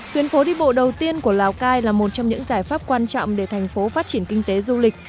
tuyến phố đi bộ đầu tiên của lào cai là một trong những giải pháp quan trọng để thành phố phát triển kinh tế du lịch